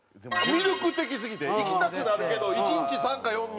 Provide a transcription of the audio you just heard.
魅力的すぎて行きたくなるけど１日３か４に。